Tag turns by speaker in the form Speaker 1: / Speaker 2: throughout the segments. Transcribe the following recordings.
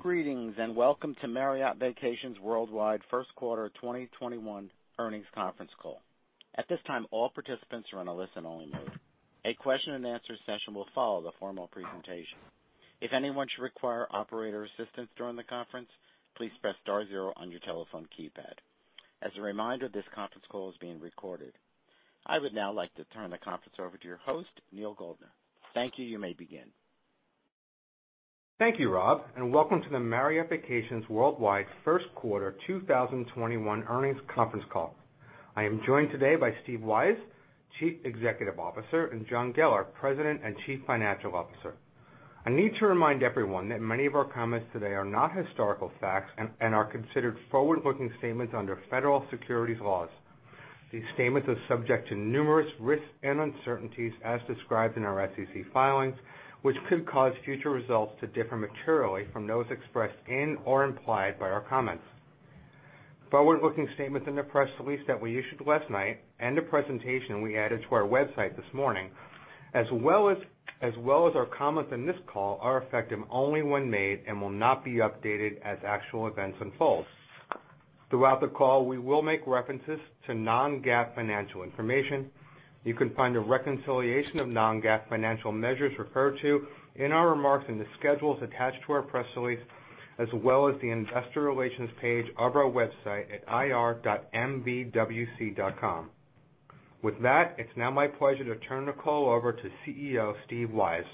Speaker 1: Greetings, and welcome to Marriott Vacations Worldwide First Quarter 2021 Earnings Conference Call. At this time, all participants are in a listen-only mode. A question and answer session will follow the formal presentation. If anyone should require operator assistance during the conference, please press star zero on your telephone keypad. As a reminder, this conference call is being recorded. I would now like to turn the conference over to your host, Neal Goldner. Thank you. You may begin.
Speaker 2: Thank you, Rob, and welcome to the Marriott Vacations Worldwide First Quarter 2021 Earnings Conference Call. I am joined today by Steve Weisz, Chief Executive Officer, and John Geller, President and Chief Financial Officer. I need to remind everyone that many of our comments today are not historical facts and are considered forward-looking statements under federal securities laws. These statements are subject to numerous risks and uncertainties as described in our SEC filings, which could cause future results to differ materially from those expressed in or implied by our comments. Forward-looking statements in the press release that we issued last night and the presentation we added to our website this morning, as well as our comments on this call, are effective only when made and will not be updated as actual events unfold. Throughout the call, we will make references to non-GAAP financial information. You can find a reconciliation of non-GAAP financial measures referred to in our remarks in the schedules attached to our press release, as well as the investor relations page of our website at ir.mvwc.com. With that, it's now my pleasure to turn the call over to CEO Steve Weisz.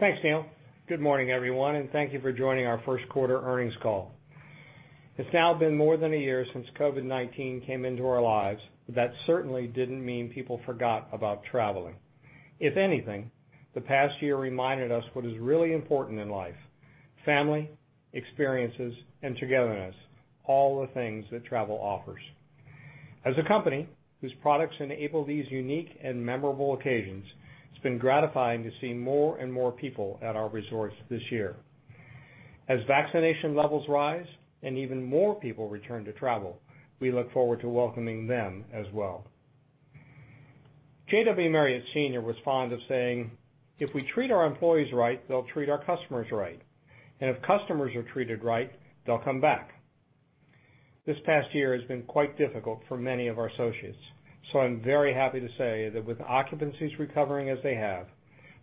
Speaker 3: Thanks, Neal. Good morning, everyone, and thank you for joining our first quarter earnings call. It's now been more than a year since COVID-19 came into our lives, but that certainly didn't mean people forgot about traveling. If anything, the past year reminded us what is really important in life, family, experiences, and togetherness, all the things that travel offers. As a company whose products enable these unique and memorable occasions, it's been gratifying to see more and more people at our resorts this year. As vaccination levels rise and even more people return to travel, we look forward to welcoming them as well. J.W. Marriott Sr. was fond of saying, "If we treat our employees right, they'll treat our customers right. If customers are treated right, they'll come back." This past year has been quite difficult for many of our associates. I'm very happy to say that with occupancies recovering as they have,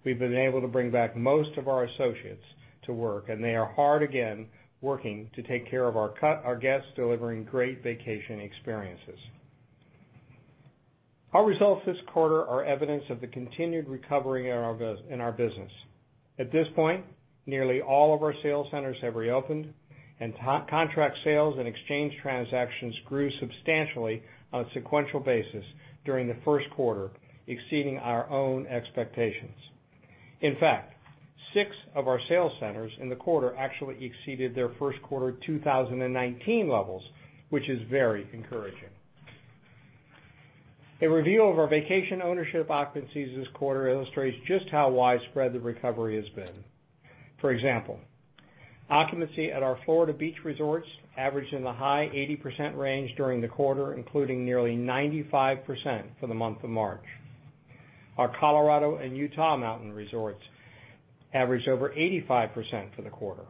Speaker 3: we've been able to bring back most of our associates to work, and they are hard again working to take care of our guests, delivering great vacation experiences. Our results this quarter are evidence of the continued recovery in our business. At this point, nearly all of our sales centers have reopened, and contract sales and exchange transactions grew substantially on a sequential basis during the first quarter, exceeding our own expectations. In fact, six of our sales centers in the quarter actually exceeded their first quarter 2019 levels, which is very encouraging. A review of our vacation ownership occupancies this quarter illustrates just how widespread the recovery has been. For example, occupancy at our Florida beach resorts averaged in the high 80% range during the quarter, including nearly 95% for the month of March. Our Colorado and Utah mountain resorts averaged over 85% for the quarter.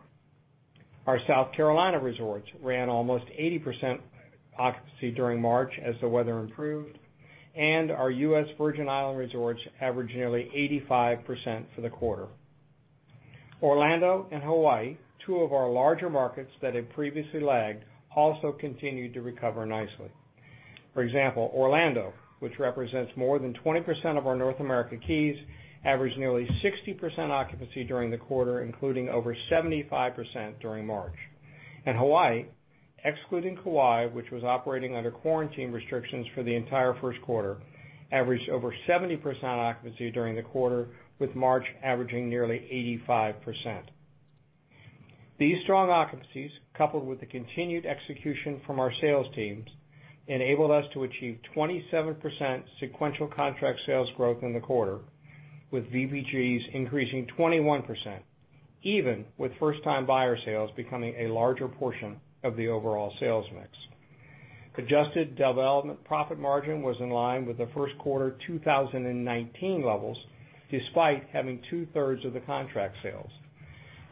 Speaker 3: Our South Carolina resorts ran almost 80% occupancy during March as the weather improved, and our U.S. Virgin Island resorts averaged nearly 85% for the quarter. Orlando and Hawaii, two of our larger markets that had previously lagged, also continued to recover nicely. For example, Orlando, which represents more than 20% of our North America keys, averaged nearly 60% occupancy during the quarter, including over 75% during March. Hawaii, excluding Kaua'i, which was operating under quarantine restrictions for the entire first quarter, averaged over 70% occupancy during the quarter, with March averaging nearly 85%. These strong occupancies, coupled with the continued execution from our sales teams, enabled us to achieve 27% sequential contract sales growth in the quarter, with VPGs increasing 21%, even with first-time buyer sales becoming a larger portion of the overall sales mix. Adjusted development profit margin was in line with the first quarter 2019 levels, despite having 2/3 of the contract sales,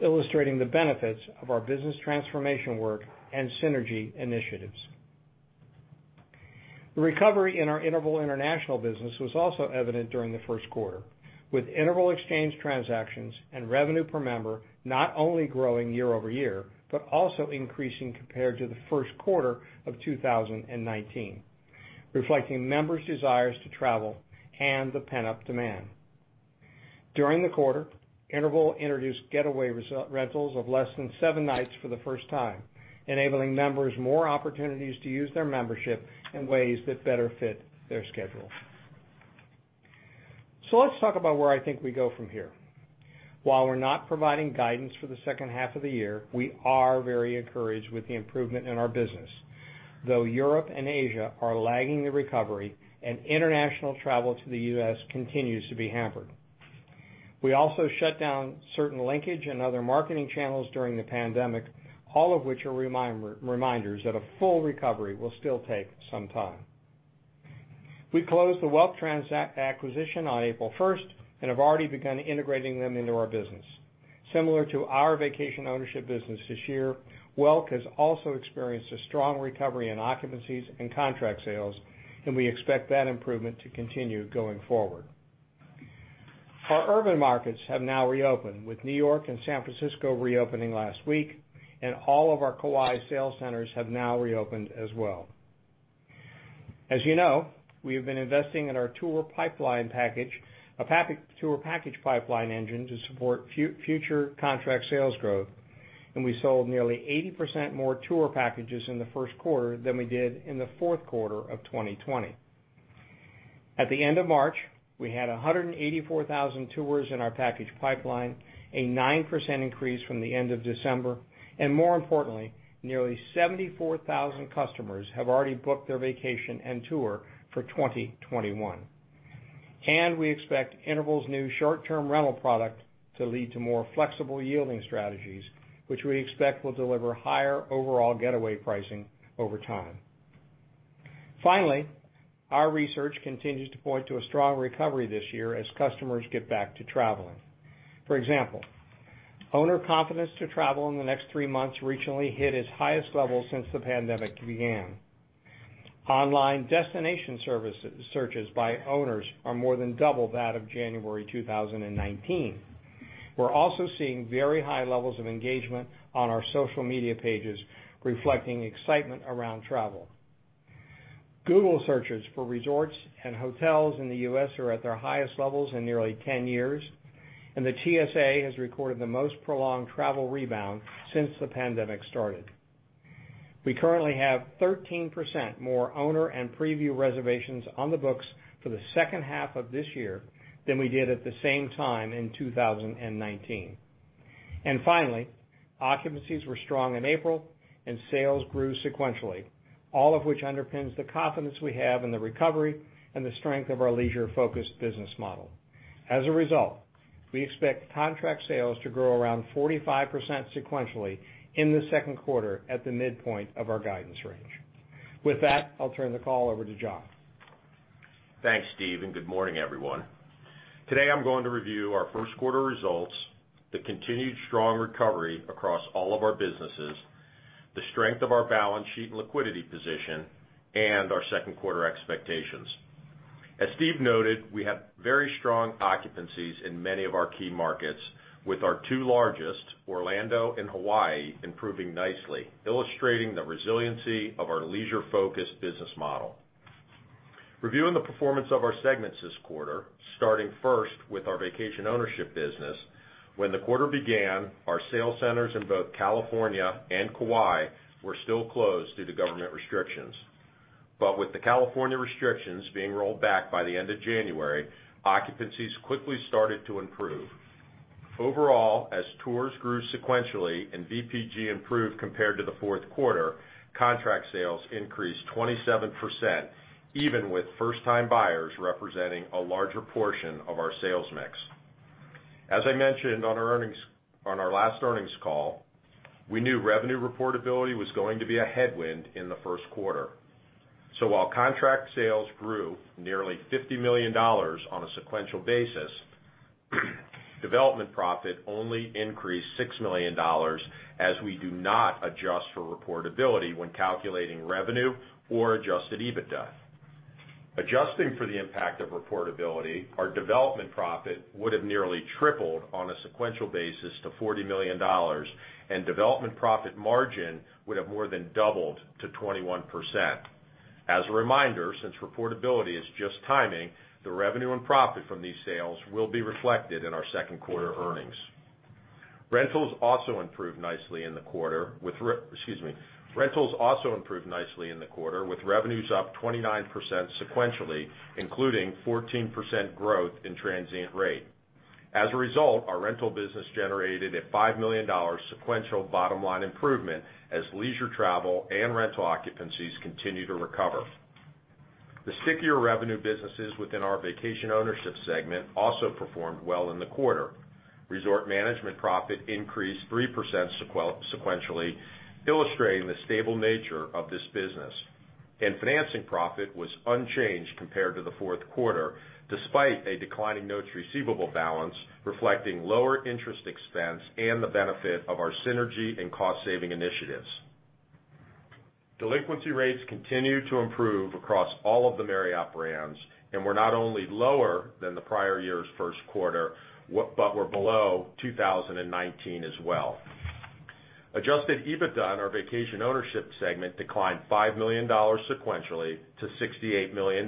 Speaker 3: illustrating the benefits of our business transformation work and synergy initiatives. The recovery in our Interval International business was also evident during the first quarter, with Interval exchange transactions and revenue per member not only growing year-over-year but also increasing compared to the first quarter of 2019, reflecting members' desires to travel and the pent-up demand. During the quarter, Interval introduced Getaway rentals of less than seven nights for the first time, enabling members more opportunities to use their membership in ways that better fit their schedule. Let's talk about where I think we go from here. While we're not providing guidance for the second half of the year, we are very encouraged with the improvement in our business. Though Europe and Asia are lagging the recovery and international travel to the U.S. continues to be hampered. We also shut down certain linkage and other marketing channels during the pandemic, all of which are reminders that a full recovery will still take some time. We closed the [Welk transa] acquisition on April 1st and have already begun integrating them into our business. Similar to our vacation ownership business this year, Welk has also experienced a strong recovery in occupancies and contract sales, and we expect that improvement to continue going forward. Our urban markets have now reopened, with New York and San Francisco reopening last week, and all of our Kaua'i sales centers have now reopened as well. As you know, we have been investing in our tour package pipeline engine to support future contract sales growth. We sold nearly 80% more tour packages in the first quarter than we did in the fourth quarter of 2020. At the end of March, we had 184,000 tours in our package pipeline, a 9% increase from the end of December. More importantly, nearly 74,000 customers have already booked their vacation and tour for 2021. We expect Interval's new short-term rental product to lead to more flexible yielding strategies, which we expect will deliver higher overall Getaways pricing over time. Finally, our research continues to point to a strong recovery this year as customers get back to traveling. For example, owner confidence to travel in the next three months recently hit its highest level since the pandemic began. Online destination searches by owners are more than double that of January 2019. We're also seeing very high levels of engagement on our social media pages reflecting excitement around travel. Google searches for resorts and hotels in the U.S. are at their highest levels in nearly 10 years, and the TSA has recorded the most prolonged travel rebound since the pandemic started. We currently have 13% more owner and preview reservations on the books for the second half of this year than we did at the same time in 2019. Finally, occupancies were strong in April and sales grew sequentially, all of which underpins the confidence we have in the recovery and the strength of our leisure-focused business model. As a result, we expect contract sales to grow around 45% sequentially in the second quarter at the midpoint of our guidance range. With that, I'll turn the call over to John.
Speaker 4: Thanks, Steve. Good morning, everyone. Today I'm going to review our first quarter results, the continued strong recovery across all of our businesses, the strength of our balance sheet and liquidity position, and our second quarter expectations. As Steve noted, we have very strong occupancies in many of our key markets, with our two largest, Orlando and Hawaii, improving nicely, illustrating the resiliency of our leisure-focused business model. Reviewing the performance of our segments this quarter, starting first with our vacation ownership business, when the quarter began, our sales centers in both California and Kaua'i were still closed due to government restrictions. With the California restrictions being rolled back by the end of January, occupancies quickly started to improve. Overall, as tours grew sequentially and VPG improved compared to the fourth quarter, contract sales increased 27%, even with first-time buyers representing a larger portion of our sales mix. As I mentioned on our last earnings call, we knew revenue reportability was going to be a headwind in the first quarter. While contract sales grew nearly $50 million on a sequential basis, development profit only increased $6 million, as we do not adjust for reportability when calculating revenue or adjusted EBITDA. Adjusting for the impact of reportability, our development profit would have nearly tripled on a sequential basis to $40 million, and development profit margin would have more than doubled to 21%. As a reminder, since reportability is just timing, the revenue and profit from these sales will be reflected in our second quarter earnings. Rentals also improved nicely in the quarter with revenues up 29% sequentially, including 14% growth in transient rate. As a result, our rental business generated a $5 million sequential bottom-line improvement as leisure travel and rental occupancies continue to recover. The stickier revenue businesses within our vacation ownership segment also performed well in the quarter. Resort management profit increased 3% sequentially, illustrating the stable nature of this business. Financing profit was unchanged compared to the fourth quarter, despite a decline in notes receivable balance reflecting lower interest expense and the benefit of our synergy and cost-saving initiatives. Delinquency rates continue to improve across all of the Marriott brands and were not only lower than the prior year's first quarter, but were below 2019 as well. Adjusted EBITDA in our vacation ownership segment declined $5 million sequentially to $68 million,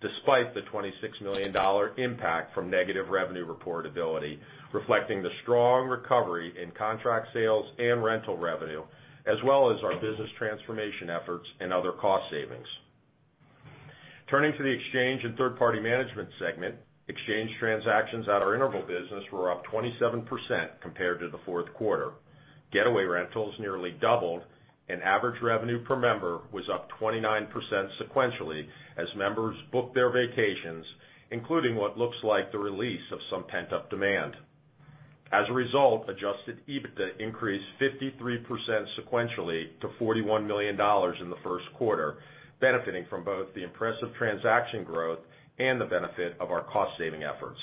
Speaker 4: despite the $26 million impact from negative revenue reportability, reflecting the strong recovery in contract sales and rental revenue, as well as our business transformation efforts and other cost savings. Turning to the exchange and third-party management segment, exchange transactions at our Interval business were up 27% compared to the fourth quarter. Getaways rentals nearly doubled, and average revenue per member was up 29% sequentially as members booked their vacations, including what looks like the release of some pent-up demand. As a result, adjusted EBITDA increased 53% sequentially to $41 million in the first quarter, benefiting from both the impressive transaction growth and the benefit of our cost-saving efforts.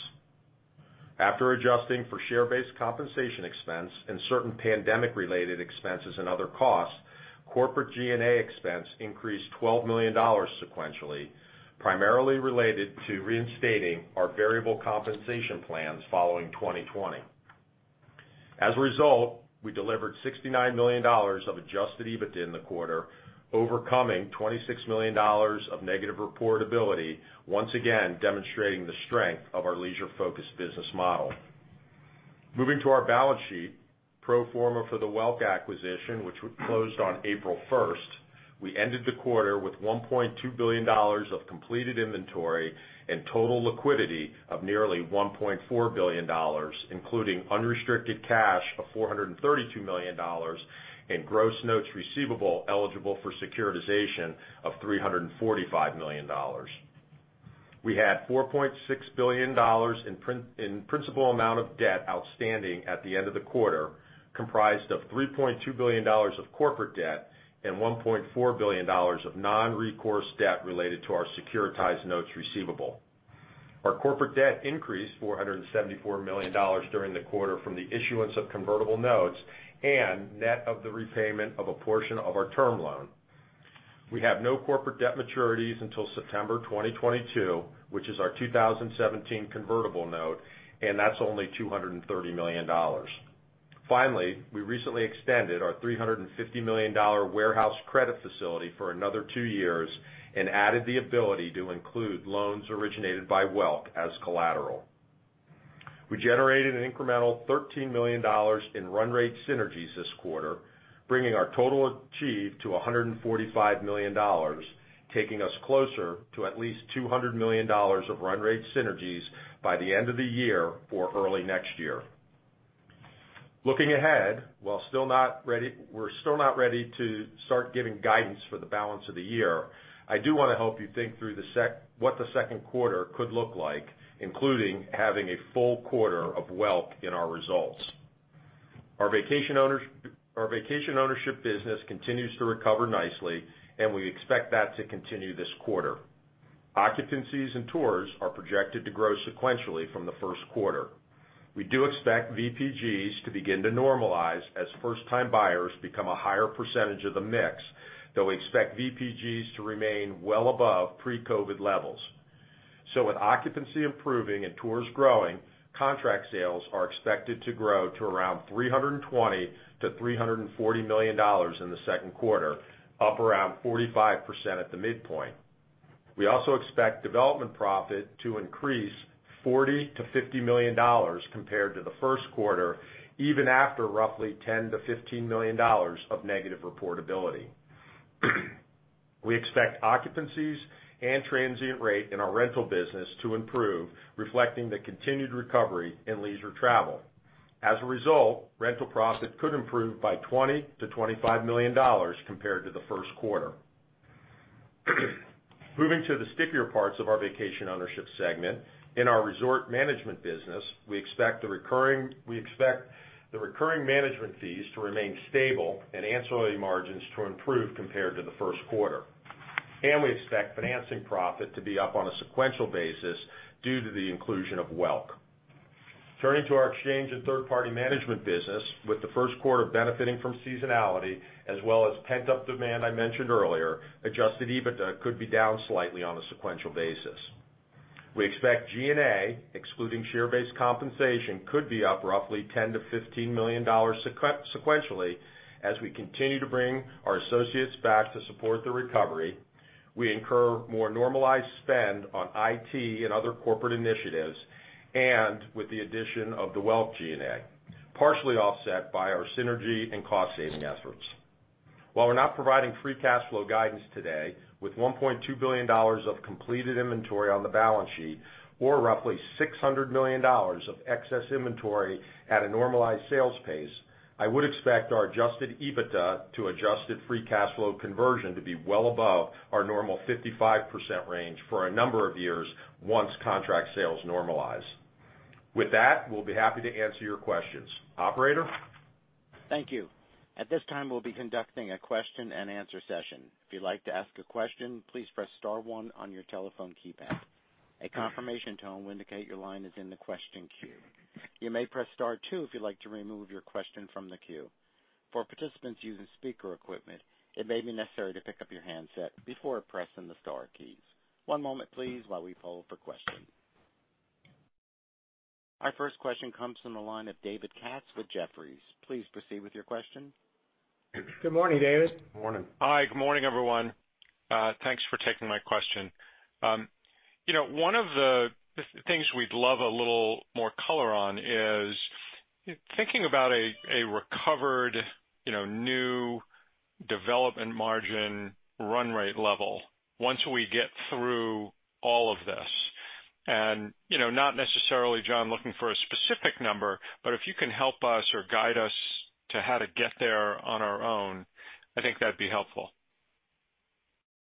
Speaker 4: After adjusting for share-based compensation expense and certain pandemic-related expenses and other costs, corporate G&A expense increased $12 million sequentially, primarily related to reinstating our variable compensation plans following 2020. As a result, we delivered $69 million of adjusted EBITDA in the quarter, overcoming $26 million of negative reportability, once again demonstrating the strength of our leisure-focused business model. Moving to our balance sheet, pro forma for the Welk acquisition, which closed on April 1st, we ended the quarter with $1.2 billion of completed inventory and total liquidity of nearly $1.4 billion, including unrestricted cash of $432 million and gross notes receivable eligible for securitization of $345 million. We had $4.6 billion in principal amount of debt outstanding at the end of the quarter, comprised of $3.2 billion of corporate debt and $1.4 billion of non-recourse debt related to our securitized notes receivable. Our corporate debt increased $474 million during the quarter from the issuance of convertible notes and net of the repayment of a portion of our term loan. We have no corporate debt maturities until September 2022, which is our 2017 convertible note, and that's only $230 million. Finally, we recently extended our $350 million warehouse credit facility for another two years and added the ability to include loans originated by Welk as collateral. We generated an incremental $13 million in run rate synergies this quarter, bringing our total achieved to $145 million, taking us closer to at least $200 million of run rate synergies by the end of the year or early next year. Looking ahead, we're still not ready to start giving guidance for the balance of the year. I do want to help you think through what the second quarter could look like, including having a full quarter of Welk in our results. Our vacation ownership business continues to recover nicely, and we expect that to continue this quarter. Occupancies and tours are projected to grow sequentially from the first quarter. We do expect VPGs to begin to normalize as first-time buyers become a higher percentage of the mix, though we expect VPGs to remain well above pre-COVID-19 levels. With occupancy improving and tours growing, contract sales are expected to grow to around $320 million-$340 million in the second quarter, up around 45% at the midpoint. We also expect development profit to increase $40 million-$50 million compared to the first quarter, even after roughly $10 million-$15 million of negative reportability. We expect occupancies and transient rate in our rental business to improve, reflecting the continued recovery in leisure travel. As a result, rental profit could improve by $20 million-$25 million compared to the first quarter. Moving to the stickier parts of our vacation ownership segment, in our resort management business, we expect the recurring management fees to remain stable and ancillary margins to improve compared to the first quarter. We expect financing profit to be up on a sequential basis due to the inclusion of Welk. Turning to our exchange and third-party management business, with the first quarter benefiting from seasonality as well as pent-up demand I mentioned earlier, adjusted EBITDA could be down slightly on a sequential basis. We expect G&A, excluding share-based compensation, could be up roughly $10 million-$15 million sequentially as we continue to bring our associates back to support the recovery, we incur more normalized spend on IT and other corporate initiatives, and with the addition of the Welk G&A, partially offset by our synergy and cost-saving efforts. While we're not providing free cash flow guidance today, with $1.2 billion of completed inventory on the balance sheet or roughly $600 million of excess inventory at a normalized sales pace, I would expect our adjusted EBITDA to adjusted free cash flow conversion to be well above our normal 55% range for a number of years once contract sales normalize. With that, we'll be happy to answer your questions. Operator?
Speaker 1: Thank you. At this time, we'll be conducting a question and answer session. If you'd like to ask a question, please press star one on your telephone keypad. A confirmation tone will indicate your line is in the question queue. You may press star two if you'd like to remove your question from the queue. For participants using speaker equipment, it may be necessary to pick up your handset before pressing the star keys. One moment, please, while we poll for questions. Our first question comes from the line of David Katz with Jefferies. Please proceed with your question.
Speaker 3: Good morning, David.
Speaker 4: Morning.
Speaker 5: Hi. Good morning, everyone. Thanks for taking my question. One of the things we'd love a little more color on is thinking about a recovered new development margin run rate level once we get through all of this. Not necessarily, John, looking for a specific number, but if you can help us or guide us to how to get there on our own, I think that'd be helpful.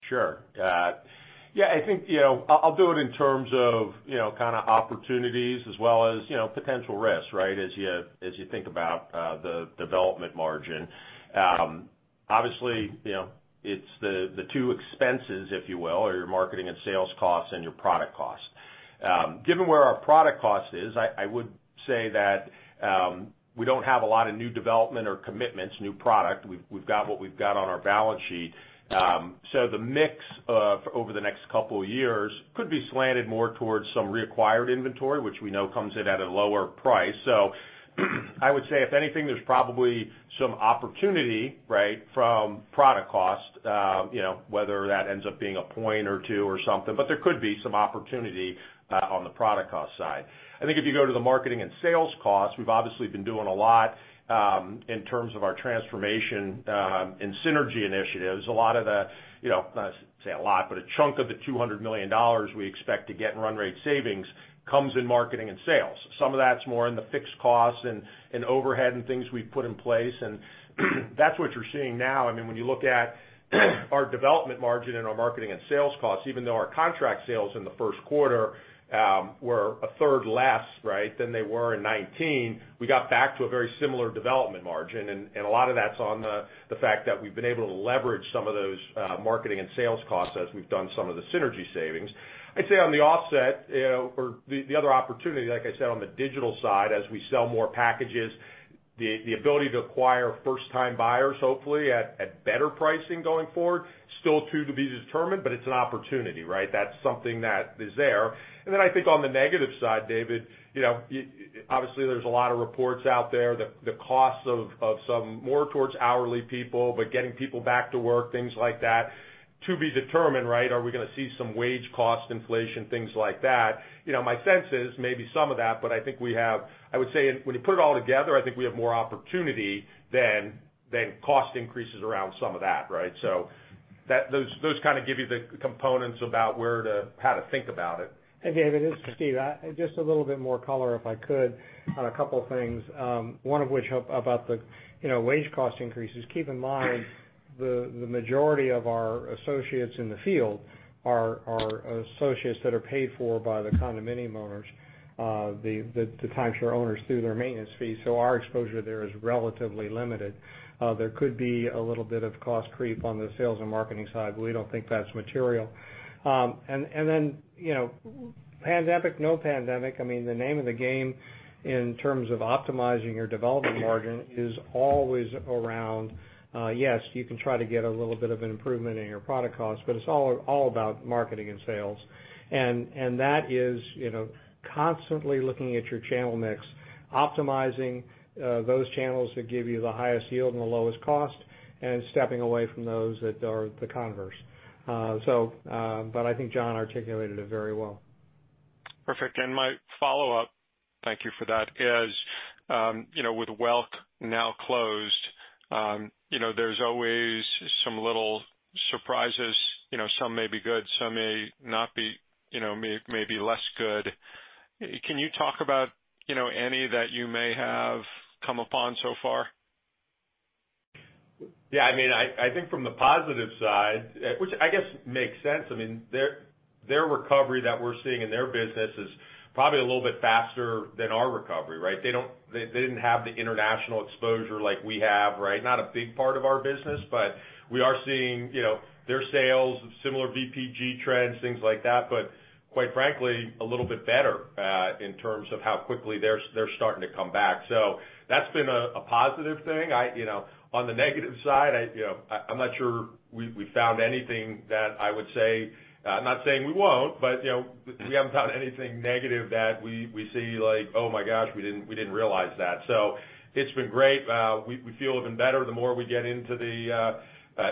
Speaker 4: Sure. Yeah, I think I'll do it in terms of opportunities as well as potential risks as you think about the development margin. Obviously, it's the two expenses, if you will, are your marketing and sales costs and your product cost. Given where our product cost is, I would say that we don't have a lot of new development or commitments, new product. We've got what we've got on our balance sheet. The mix over the next couple of years could be slanted more towards some reacquired inventory, which we know comes in at a lower price. I would say, if anything, there's probably some opportunity from product cost, whether that ends up being a point or two or something. There could be some opportunity on the product cost side. I think if you go to the marketing and sales costs, we've obviously been doing a lot in terms of our transformation and synergy initiatives. A chunk of the $200 million we expect to get in run rate savings comes in marketing and sales. Some of that's more in the fixed costs and overhead and things we've put in place. That's what you're seeing now. When you look at our development margin and our marketing and sales costs, even though our contract sales in the first quarter were a 1/3 less than they were in 2019, we got back to a very similar development margin. A lot of that's on the fact that we've been able to leverage some of those marketing and sales costs as we've done some of the synergy savings. I'd say on the offset or the other opportunity, like I said, on the digital side, as we sell more packages, the ability to acquire first-time buyers, hopefully at better pricing going forward, still to be determined. It's an opportunity. That's something that is there. I think on the negative side, David, obviously there's a lot of reports out there that the cost of some more towards hourly people, getting people back to work, things like that to be determined. Are we going to see some wage cost inflation, things like that? My sense is maybe some of that. I would say when you put it all together, I think we have more opportunity than cost increases around some of that. Those give you the components about how to think about it.
Speaker 3: David, this is Steve. Just a little bit more color, if I could, on a couple of things. One of which about the wage cost increases. Keep in mind, the majority of our associates in the field are associates that are paid for by the condominium owners, the timeshare owners, through their maintenance fees. Our exposure there is relatively limited. There could be a little bit of cost creep on the sales and marketing side, but we don't think that's material. Pandemic, no pandemic, the name of the game in terms of optimizing your development margin is always around, yes, you can try to get a little bit of an improvement in your product cost, but it's all about marketing and sales. That is constantly looking at your channel mix, optimizing those channels that give you the highest yield and the lowest cost, and stepping away from those that are the converse. I think John articulated it very well.
Speaker 5: Perfect. My follow-up, thank you for that, is with Welk now closed, there's always some little surprises. Some may be good, some may be less good. Can you talk about any that you may have come upon so far?
Speaker 4: I think from the positive side, which I guess makes sense, their recovery that we're seeing in their business is probably a little bit faster than our recovery. They didn't have the international exposure like we have. Not a big part of our business, but we are seeing their sales, similar VPG trends, things like that, but quite frankly, a little bit better in terms of how quickly they're starting to come back. That's been a positive thing. On the negative side, I'm not sure we found anything that I would say. I'm not saying we won't, but we haven't found anything negative that we see like, "Oh my gosh, we didn't realize that." It's been great. We feel even better the more we get into the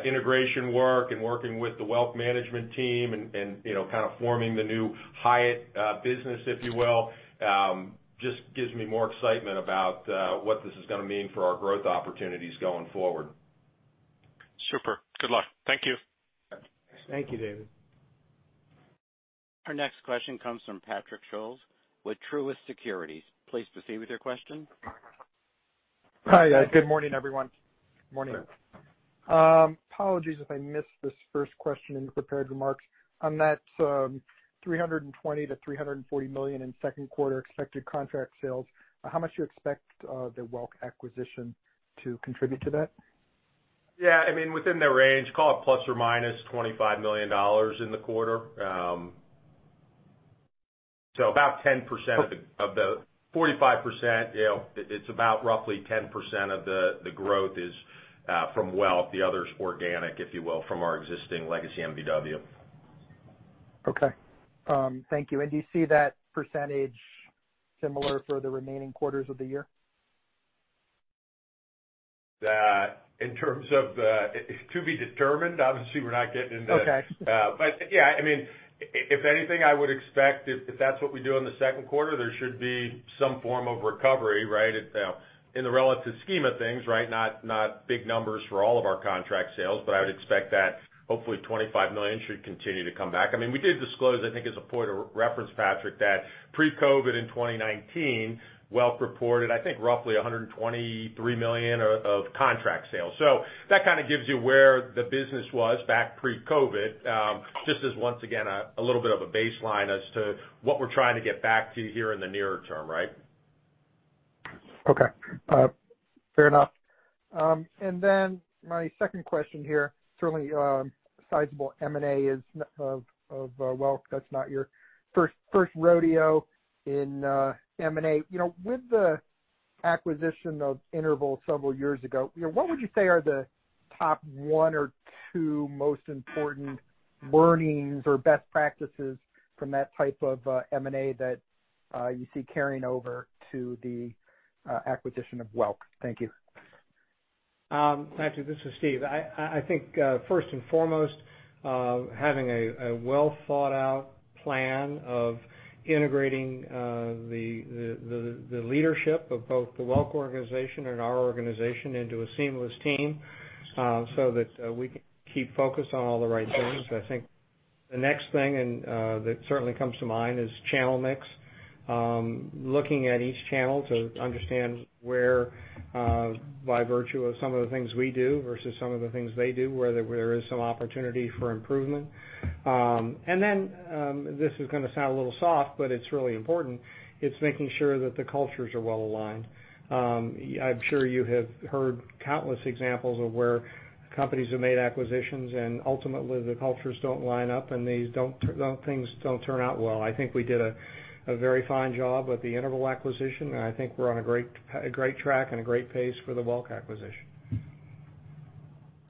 Speaker 4: integration work and working with the Welk management team and kind of forming the new Hyatt business, if you will. Just gives me more excitement about what this is going to mean for our growth opportunities going forward.
Speaker 5: Super. Good luck. Thank you.
Speaker 3: Thank you, David.
Speaker 1: Our next question comes from Patrick Scholes with Truist Securities. Please proceed with your question.
Speaker 6: Hi, guys. Good morning, everyone. Morning. Apologies if I missed this first question in prepared remarks. On that $320 million-$340 million in second quarter expected contract sales, how much do you expect the Welk acquisition to contribute to that?
Speaker 4: Yeah. Within the range, call it ±$25 million in the quarter. About 45%, it's about roughly 10% of the growth is from Welk. The other's organic, if you will, from our existing legacy MVW.
Speaker 6: Okay. Thank you. Do you see that percentage similar for the remaining quarters of the year?
Speaker 4: In terms of to be determined. Obviously, we're not getting into that.
Speaker 6: Okay.
Speaker 4: Yeah. If anything, I would expect if that's what we do in the second quarter, there should be some form of recovery. In the relative scheme of things, not big numbers for all of our contract sales, but I would expect that hopefully $25 million should continue to come back. We did disclose, I think as a point of reference, Patrick, that pre-COVID in 2019, Welk reported, I think, roughly $123 million of contract sales. That kind of gives you where the business was back pre-COVID, just as once again, a little bit of a baseline as to what we're trying to get back to here in the nearer term.
Speaker 6: Okay. Fair enough. Then my second question here, certainly, sizable M&A Welk, that's not your first rodeo in M&A. With the acquisition of Interval several years ago, what would you say are the top one or two most important learnings or best practices from that type of M&A that you see carrying over to the acquisition of Welk? Thank you.
Speaker 3: Patrick, this is Steve. I think, first and foremost, having a well-thought-out plan of integrating the leadership of both the Welk organization and our organization into a seamless team so that we can keep focused on all the right things. I think the next thing that certainly comes to mind, is channel mix. Looking at each channel to understand where, by virtue of some of the things we do versus some of the things they do, where there is some opportunity for improvement. Then, this is going to sound a little soft, but it's really important, it's making sure that the cultures are well-aligned. I'm sure you have heard countless examples of where companies have made acquisitions and ultimately the cultures don't line up, and these things don't turn out well. I think we did a very fine job with the Interval acquisition, and I think we're on a great track and a great pace for the Welk acquisition.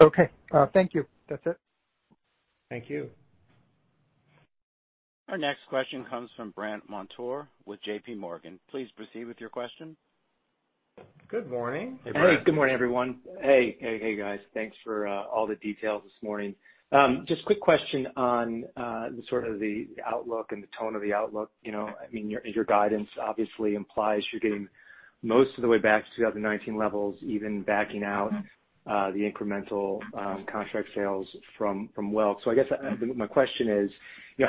Speaker 6: Okay. Thank you. That's it.
Speaker 3: Thank you.
Speaker 1: Our next question comes from Brandt Montour with JP Morgan. Please proceed with your question.
Speaker 3: Good morning.
Speaker 7: Hey, good morning, everyone. Hey guys, thanks for all the details this morning. Just quick question on the sort of the outlook and the tone of the outlook. Your guidance obviously implies you're getting most of the way back to 2019 levels, even backing out the incremental contract sales from Welk. I guess my question is,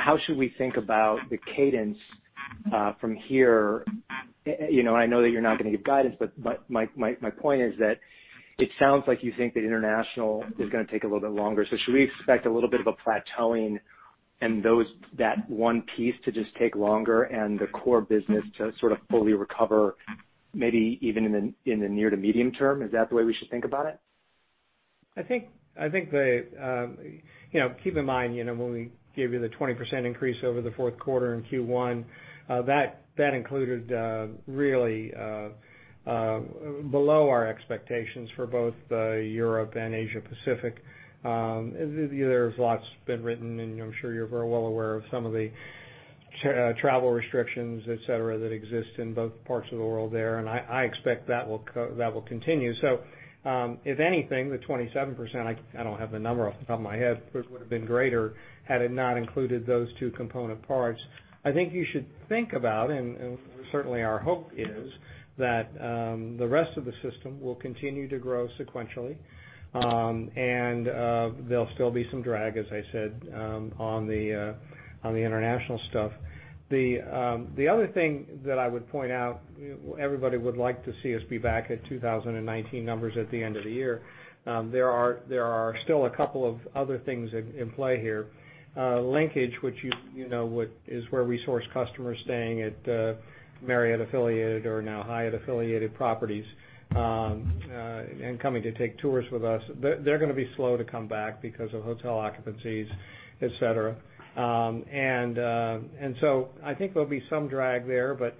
Speaker 7: how should we think about the cadence from here? I know that you're not going to give guidance, but my point is that it sounds like you think that international is going to take a little bit longer. Should we expect a little bit of a plateauing and that one piece to just take longer and the core business to sort of fully recover, maybe even in the near to medium term? Is that the way we should think about it?
Speaker 3: Keep in mind, when we gave you the 20% increase over the fourth quarter in Q1, that included really below our expectations for both Europe and Asia-Pacific. There's lots been written, and I'm sure you're very well aware of some of the travel restrictions, et cetera, that exist in both parts of the world there, and I expect that will continue. If anything, the 27%, I don't have the number off the top of my head, but it would've been greater had it not included those two component parts. I think you should think about, and certainly our hope is that the rest of the system will continue to grow sequentially. There'll still be some drag, as I said, on the international stuff. The other thing that I would point out, everybody would like to see us be back at 2019 numbers at the end of the year. There are still a couple of other things in play here. Linkage, which you know is where we source customers staying at Marriott affiliated or now Hyatt affiliated properties, and coming to take tours with us, they're going to be slow to come back because of hotel occupancies, et cetera. I think there'll be some drag there, but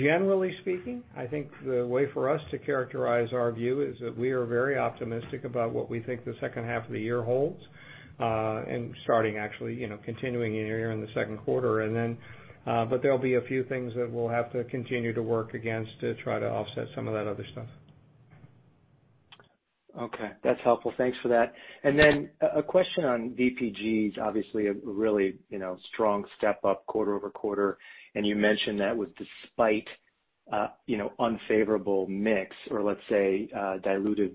Speaker 3: generally speaking, I think the way for us to characterize our view is that we are very optimistic about what we think the second half of the year holds, and starting actually continuing in the second quarter. There'll be a few things that we'll have to continue to work against to try to offset some of that other stuff.
Speaker 7: Okay. That's helpful. Thanks for that. A question on VPG, obviously a really strong step up quarter-over-quarter, and you mentioned that was despite unfavorable mix or let's say diluted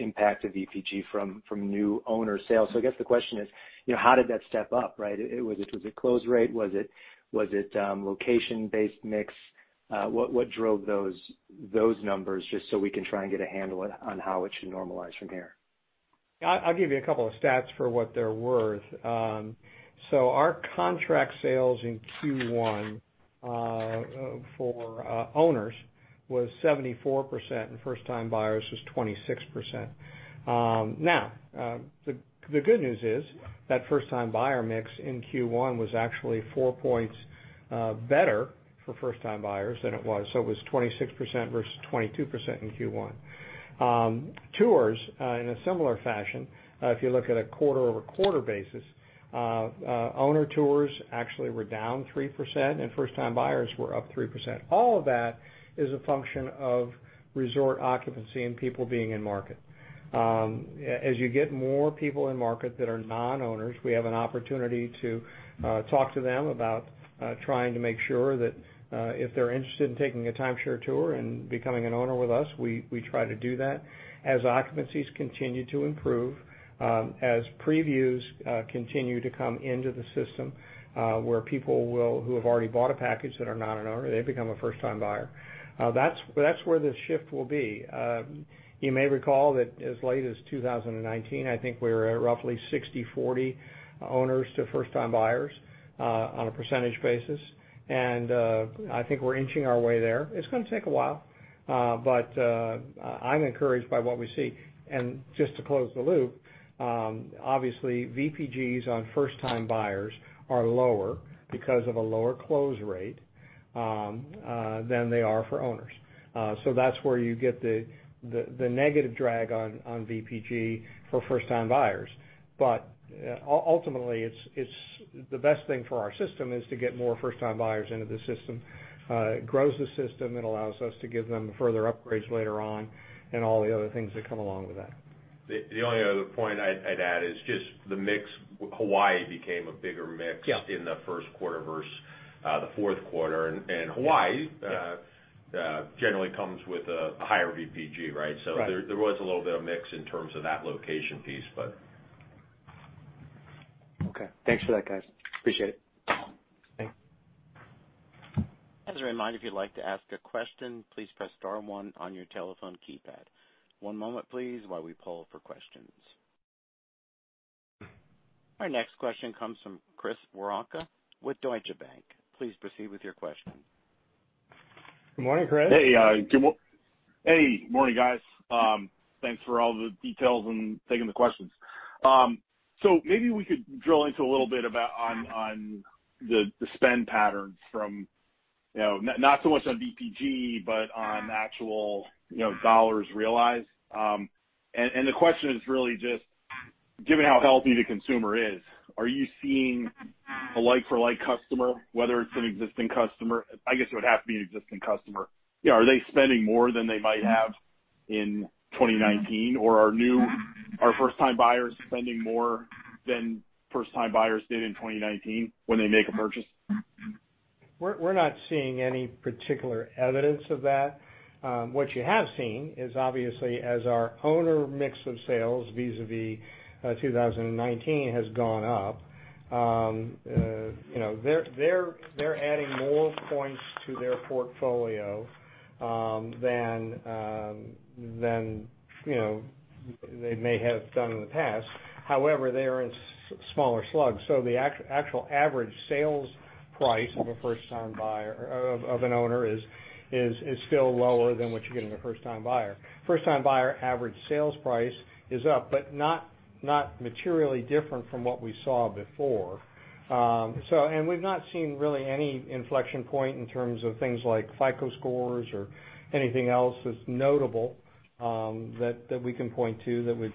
Speaker 7: impact of VPG from new owner sales. I guess the question is, how did that step up, right? Was it close rate? Was it location-based mix? What drove those numbers, just so we can try and get a handle on how it should normalize from here?
Speaker 3: I'll give you a couple of stats for what they're worth. Our contract sales in Q1 for owners was 74%, and first-time buyers was 26%. The good news is that first-time buyer mix in Q1 was actually four points better for first-time buyers than it was. It was 26% versus 22% in Q1. Tours, in a similar fashion, if you look at a quarter-over-quarter basis, owner tours actually were down 3%, and first-time buyers were up 3%. All of that is a function of resort occupancy and people being in market. As you get more people in market that are non-owners, we have an opportunity to talk to them about trying to make sure that if they're interested in taking a timeshare tour and becoming an owner with us, we try to do that. As occupancies continue to improve, as previews continue to come into the system, where people who have already bought a package that are not an owner, they become a first-time buyer. That's where the shift will be. You may recall that as late as 2019, I think we were at roughly 60/40 owners to first-time buyers on a percentage basis, and I think we're inching our way there. It's going to take a while, but I'm encouraged by what we see. Just to close the loop, obviously VPGs on first-time buyers are lower because of a lower close rate than they are for owners. That's where you get the negative drag on VPG for first-time buyers. Ultimately, the best thing for our system is to get more first-time buyers into the system. It grows the system, it allows us to give them further upgrades later on and all the other things that come along with that.
Speaker 4: The only other point I'd add is just the mix. Hawaii became a bigger mix.
Speaker 3: Yeah
Speaker 4: In the first quarter versus the fourth quarter. Hawaii.
Speaker 3: Yeah
Speaker 4: Generally comes with a higher VPG, right?
Speaker 3: Right.
Speaker 4: There was a little bit of mix in terms of that location piece, but.
Speaker 7: Okay. Thanks for that, guys. Appreciate it.
Speaker 3: Thank you.
Speaker 1: As a reminder, if you'd like to ask a question, please press star one on your telephone keypad. One moment please while we poll for questions. Our next question comes from Chris Woronka with Deutsche Bank. Please proceed with your question.
Speaker 3: Good morning, Chris.
Speaker 8: Hey. Morning, guys. Thanks for all the details and taking the questions. Maybe we could drill into a little bit about on the spend patterns from, not so much on VPG, but on actual dollars realized. The question is really just, given how healthy the consumer is, are you seeing a like-for-like customer, whether it's an existing customer? I guess it would have to be an existing customer. Are they spending more than they might have in 2019? Are first-time buyers spending more than first-time buyers did in 2019 when they make a purchase?
Speaker 3: We're not seeing any particular evidence of that. What you have seen is obviously as our owner mix of sales vis-a-vis 2019 has gone up. They're adding more points to their portfolio than they may have done in the past. However, they are in smaller slugs. The actual average sales price of an owner is still lower than what you get in a first-time buyer. First-time buyer average sales price is up, but not materially different from what we saw before. We've not seen really any inflection point in terms of things like FICO scores or anything else that's notable that we can point to that would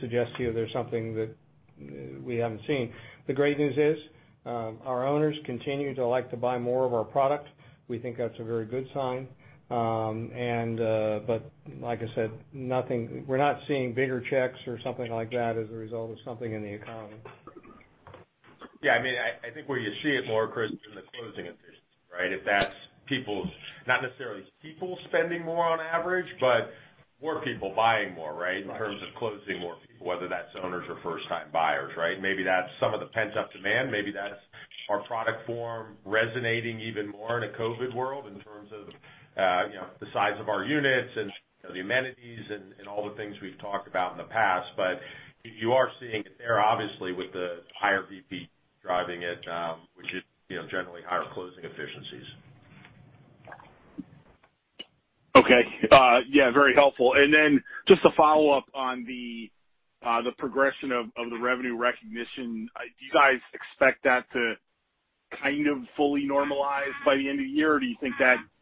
Speaker 3: suggest to you there's something that we haven't seen. The great news is our owners continue to like to buy more of our product. We think that's a very good sign. Like I said, we're not seeing bigger checks or something like that as a result of something in the economy.
Speaker 4: I think where you see it more, Chris, is in the closing efficiency, right? If that's not necessarily people spending more on average, but more people buying more, right?
Speaker 3: Right.
Speaker 4: In terms of closing more people, whether that's owners or first-time buyers, right? Maybe that's some of the pent-up demand. Maybe that's our product form resonating even more in a COVID-19 world in terms of the size of our units and the amenities and all the things we've talked about in the past. You are seeing it there obviously with the higher VPG driving it, which is generally higher closing efficiencies.
Speaker 8: Okay. Yeah, very helpful. Just to follow up on the progression of the revenue recognition, do you guys expect that to kind of fully normalize by the end of the year? Do you think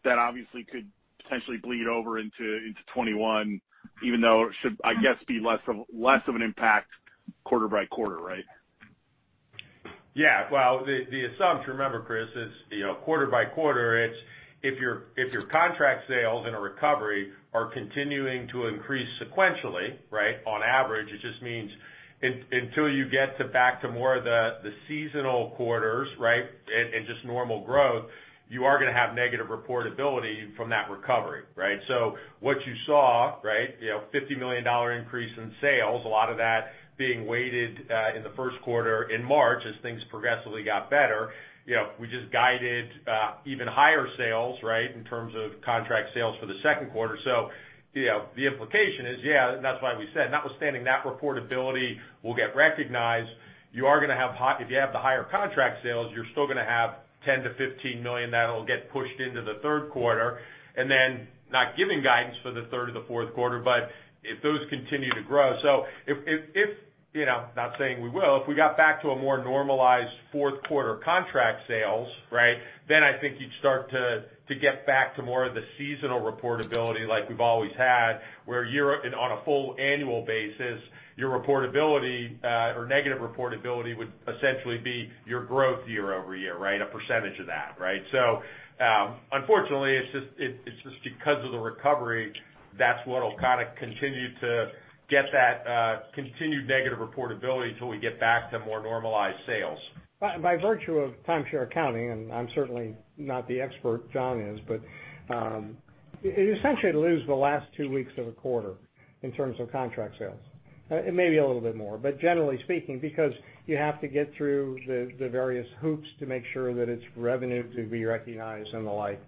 Speaker 8: that obviously could potentially bleed over into 2021, even though it should, I guess, be less of an impact quarter by quarter, right?
Speaker 4: Well, the assumption, remember, Chris, is quarter by quarter, it's if your contract sales in a recovery are continuing to increase sequentially, right? On average, it just means until you get back to more of the seasonal quarters, right? Just normal growth, you are going to have negative reportability from that recovery, right? What you saw, right, $50 million increase in sales, a lot of that being weighted in the first quarter in March as things progressively got better. We just guided even higher sales, right, in terms of contract sales for the second quarter. The implication is, that's why we said notwithstanding that reportability will get recognized, if you have the higher contract sales, you're still going to have $10 million-$15 million that'll get pushed into the third quarter. Not giving guidance for the third or the fourth quarter, but if those continue to grow. If, not saying we will, if we got back to a more normalized fourth quarter contract sales, right? I think you'd start to get back to more of the seasonal reportability like we've always had, where on a full annual basis, your reportability or negative reportability would essentially be your growth year-over-year, right? A percentage of that, right? Unfortunately, it's just because of the recovery, that's what'll kind of continue to get that continued negative reportability until we get back to more normalized sales.
Speaker 3: By virtue of timeshare accounting, and I'm certainly not the expert John is, but, you essentially lose the last two weeks of a quarter in terms of contract sales. It may be a little bit more, but generally speaking, because you have to get through the various hoops to make sure that it's revenue to be recognized and the like.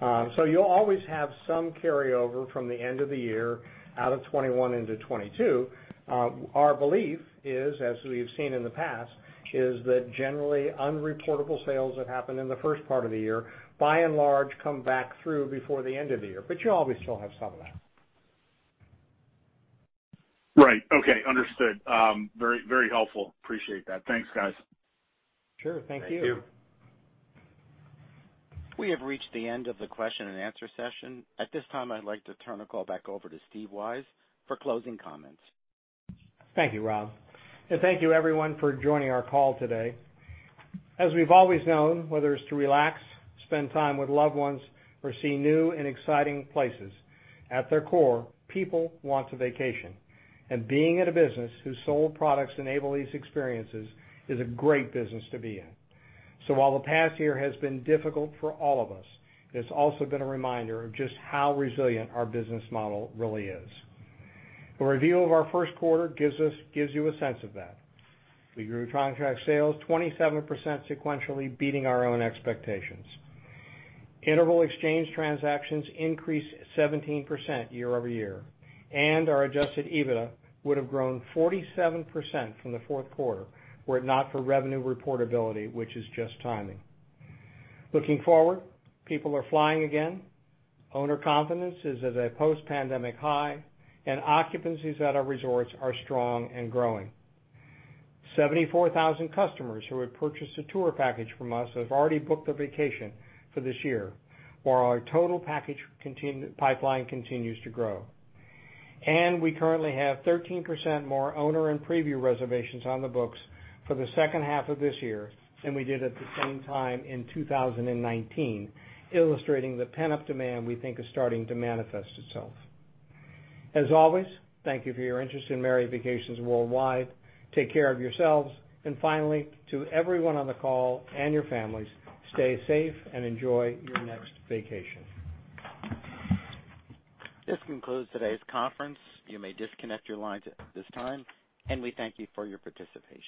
Speaker 3: You'll always have some carryover from the end of the year out of 2021 into 2022. Our belief is, as we've seen in the past, is that generally, unreportable sales that happen in the first part of the year, by and large, come back through before the end of the year, but you always still have some of that.
Speaker 8: Right. Okay. Understood. Very helpful. Appreciate that. Thanks, guys.
Speaker 3: Sure. Thank you.
Speaker 4: Thank you.
Speaker 1: We have reached the end of the question and answer session. At this time, I'd like to turn the call back over to Steve Weisz for closing comments.
Speaker 3: Thank you, Rob. Thank you everyone for joining our call today. As we've always known, whether it's to relax, spend time with loved ones, or see new and exciting places, at their core, people want to vacation. Being in a business whose sold products enable these experiences is a great business to be in. While the past year has been difficult for all of us, it's also been a reminder of just how resilient our business model really is. The review of our first quarter gives you a sense of that. We grew contract sales 27% sequentially, beating our own expectations. Interval exchange transactions increased 17% year-over-year, and our adjusted EBITDA would have grown 47% from the fourth quarter were it not for revenue reportability, which is just timing. Looking forward, people are flying again, owner confidence is at a post-pandemic high, and occupancies at our resorts are strong and growing. 74,000 customers who had purchased a tour package from us have already booked a vacation for this year, while our total package pipeline continues to grow. We currently have 13% more owner and preview reservations on the books for the second half of this year than we did at the same time in 2019, illustrating the pent-up demand we think is starting to manifest itself. As always, thank you for your interest in Marriott Vacations Worldwide. Take care of yourselves, and finally, to everyone on the call and your families, stay safe and enjoy your next vacation.
Speaker 1: This concludes today's conference. You may disconnect your lines at this time, and we thank you for your participation.